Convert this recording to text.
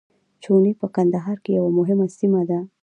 چوڼۍ په کندهار کي یوه مهمه سیمه ده.